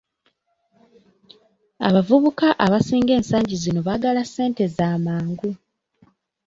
Abavubuka abasinga ensangi zino baagala ssente zamangu